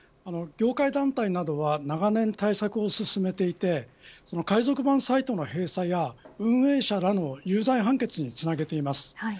業界団体などは長年対策を進めていて海賊版サイトの閉鎖や運営者らの有罪判決につなげています。